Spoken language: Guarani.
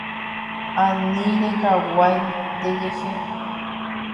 Ani rekaguai ndejehe.